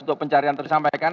untuk pencarian tersampaikan